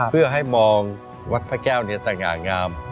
เพื่อให้มองวัดพระแก้วสง่างาม